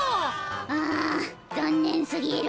あざんねんすぎる。